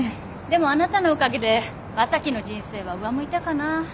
でもあなたのおかげで正樹の人生は上向いたかな。